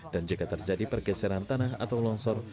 dan jika terjadi pergeseran tanah atau longsor